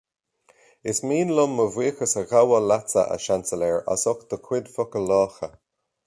Is mian liom mo bhuíochas a ghabháil leatsa, a Seansailéir, as do chuid focail lácha